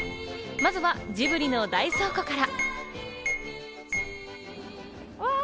まずはジブリの大倉庫から。